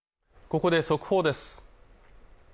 ここで速報です